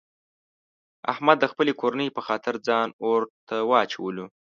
احمد د خپلې کورنۍ په خاطر ځان اورته واچولو.